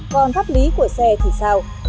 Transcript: còn pháp lý của xe thì sao